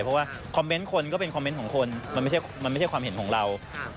เพราะว่าคอมเมนต์คนก็เป็นคอมเมนต์ของคนมันไม่ใช่มันไม่ใช่ความเห็นของเรา